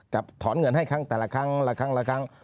ถอนเงินให้ครั้งแต่ละครั้งละครั้งละครั้ง